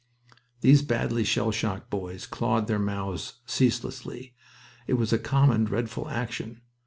These badly shell shocked boys clawed their mouths ceaselessly. It was a common, dreadful action.